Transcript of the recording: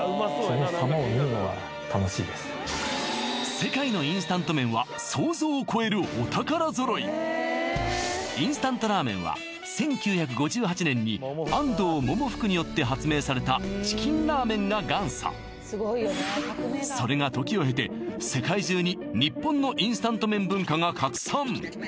世界のインスタント麺は想像を超えるお宝揃いインスタントラーメンは１９５８年に安藤百福によって発明されたチキンラーメンが元祖それが時を経て世界中に日本のインスタント麺文化が拡散